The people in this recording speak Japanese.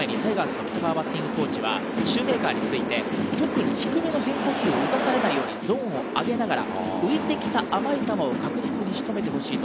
シューメーカーについて特に低めの変化球を打たされないようにゾーンを上げながら、浮いてきた甘い球を確実に仕留めてほしい。